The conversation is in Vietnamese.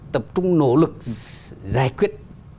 tập trung nỗ lực giải quyết